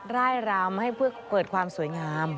ร่ายรำให้เพื่อเกิดความสวยงาม